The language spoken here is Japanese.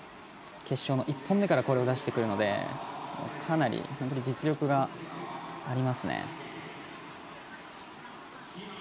決勝の１本目からこれを出してくるのでかなり、本当に実力がありますね。